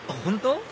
本当？